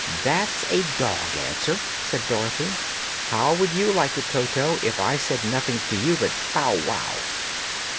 "That's a dog answer," said Dorothy. "How would you like it, Toto, if I said nothing to you but 'bow wow'?"